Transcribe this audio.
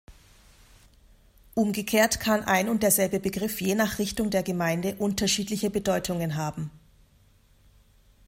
Umgekehrt kann ein und derselbe Begriff je nach Richtung der Gemeinde unterschiedliche Bedeutungen haben.